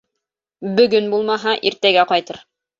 — Бөгөн булмаһа, иртәгә ҡайтыр.